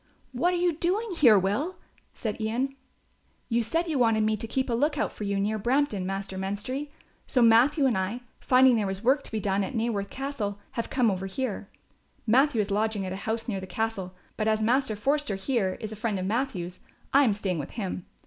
"What are you doing here, Will?" said Ian. "You said you wanted me to keep a look out for you near Brampton, Master Menstrie; so Matthew and I, finding there was work to be done at Naworth Castle, have come over here. Matthew is lodging at a house near the castle, but as Master Forster, here, is a friend of Matthew's, I am staying with him.